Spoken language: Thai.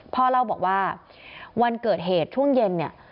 พ่อเล่าบอกว่าวันเกิดเหตุช่วงเย็นเนี่ย